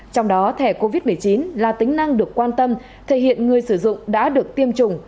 trong đó thẻ covid một mươi chín là tính năng được quan tâm thể hiện người sử dụng đã được tiêm chủng